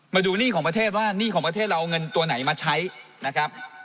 หนี้ของประเทศว่าหนี้ของประเทศเราเอาเงินตัวไหนมาใช้นะครับ